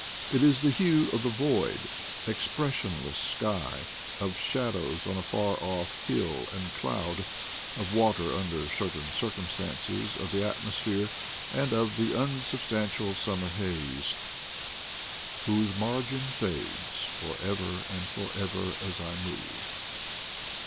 It is the hue of the void, expressionless sky; of shadows on far off hill and cloud; of wa ter under certain conditions of the atmosphere, and of the unsubstantial summer haze, — whose margin fades For ever and for ever as I move.